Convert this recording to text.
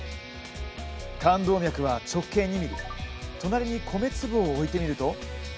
冠動脈は直径２ｍｍ隣に米粒を置いてみると。